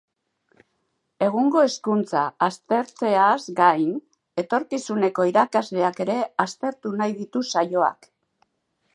Egungo hezkuntza aztertzeaz gain, etorkizuneko irakasleak ere aztertu nahi ditu saioak.